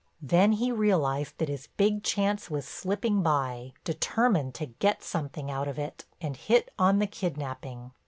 Then he realized that his big chance was slipping by, determined to get something out of it, and hit on the kidnaping.